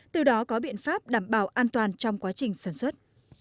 từ đó có biện pháp đảm bảo an toàn trong quá trình sản xuất